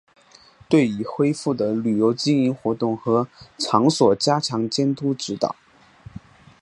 对已恢复的旅游经营活动和场所加强监督指导